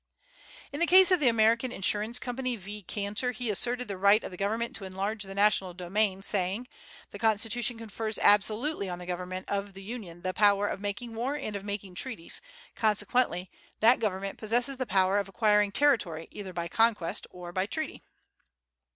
In the case of the American Insurance Company v. Canter, he asserted the right of the government to enlarge the national domain, saying: "The Constitution confers absolutely on the government of the Union the power of making war and of making treaties; consequently, that government possesses the power of acquiring territory, either by conquest or by treaty."